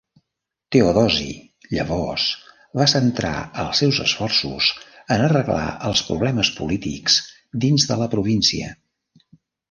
Teodosi llavors va centrar els seus esforços en arreglar els problemes polítics dins de la província.